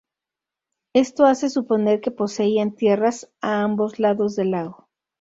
Esto hace suponer que poseían tierras a ambos lados del lago.